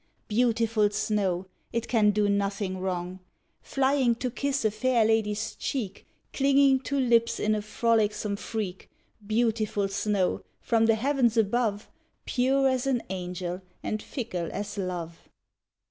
Beautiful snow! it can do nothing wrong. Flying to kiss a fair lady's cheek; Clinging to lips in a frolicsome freak; Beautiful snow, from the heavens above, Pure as an angel and fickle as love!